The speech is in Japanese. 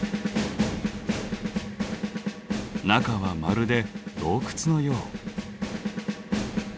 中はまるで洞窟のよう。